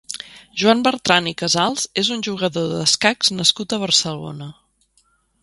Joan Bertran i Casals és un jugador d'escacs nascut a Barcelona.